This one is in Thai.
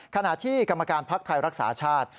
ขณะที่กรรมการพักไทยรักษาชาติ